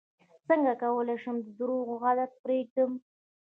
څنګه کولی شم د درواغو عادت پرېږدم